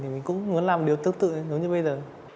thì mình cũng muốn làm điều tương tự nếu như bây giờ